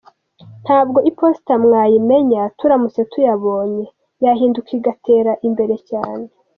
ntabwo Iposita mwayimenya turamutse tuyabonye yahinduka igatera imbere cyane.